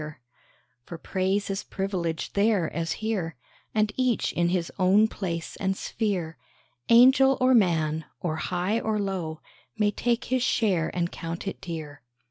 10 146 A MORNING SONG For praise is privilege there as here, And each in his own place and sphere, Angel or man, or high or low, May take his share and count it dear.